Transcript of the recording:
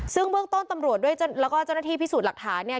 ซึ่งเบื้องต้นตำรวจด้วยแล้วก็เจ้าหน้าที่พิสูจน์หลักฐานเนี่ย